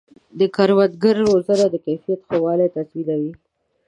د کروندګرو روزنه د کیفیت ښه والی تضمینوي.